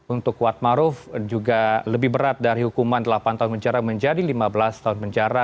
untuk kuat maruf juga lebih berat dari hukuman delapan tahun penjara menjadi lima belas tahun penjara